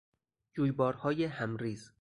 جویبارهای همریز